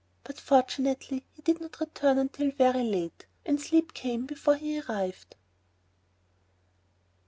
But fortunately he did not return until very late, and sleep came before he arrived.